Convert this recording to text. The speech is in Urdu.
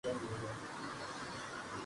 گرمئی رشک سے ہر انجمن گل بدناں